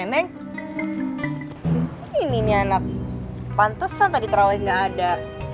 nenek di sini nih anak pantesan tadi terawih nggak ada